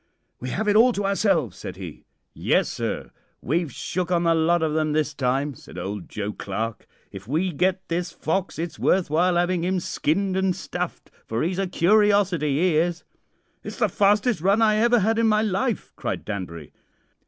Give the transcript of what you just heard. "'We have it all to ourselves,' said he. "'Yes, sir, we've shook on the lot of 'em this time,' said old Joe Clarke. 'If we get this fox it's worth while 'aving 'im skinned an' stuffed, for 'e's a curiosity 'e is.' "'It's the fastest run I ever had in my life!' cried Danbury.